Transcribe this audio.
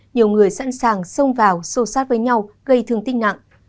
nhiều người sẵn sàng xông vào sâu sát với nhau gây thương tích nặng